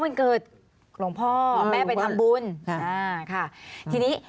อ๋อวันเกิดหลวงพ่อแม่ไปทำบุญค่ะทีนี้